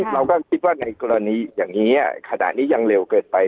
เราก็คิดว่าในกรณีอย่างนี้ขณะนี้ยังเร็วเกินไป